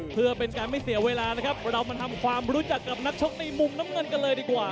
เพื่อเป็นการไม่เสียเวลานะครับเรามาทำความรู้จักกับนักชกในมุมน้ำเงินกันเลยดีกว่า